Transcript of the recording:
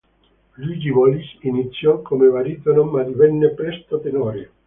Luigi Bolis iniziò come baritono ma divenne presto tenore.